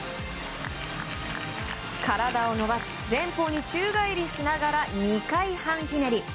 体を伸ばし前方に宙返りしながら２回半ひねり。